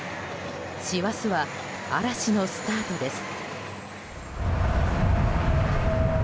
師走は嵐のスタートです。